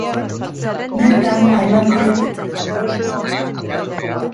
Bertan, hainbat korrikalari kolpatu ditu.